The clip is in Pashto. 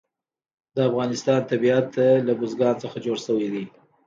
د افغانستان طبیعت له بزګان څخه جوړ شوی دی.